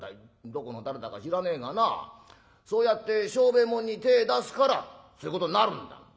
どこの誰だか知らねえがなそうやって商売物に手ぇ出すからそういうことになるんだ。